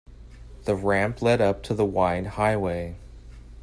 The ramp led up to the wide highway.